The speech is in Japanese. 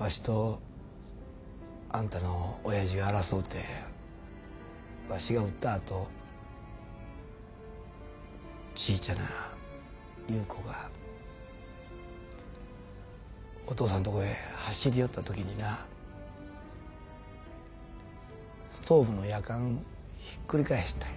わしとあんたの親父が争うてわしが撃った後小ちゃな優子がお父さんとこへ走り寄ったときになストーブのやかんひっくり返したんや。